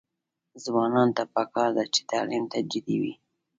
ځوانانو ته پکار ده چې، تعلیم ته جدي وي.